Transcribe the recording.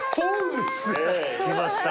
着きました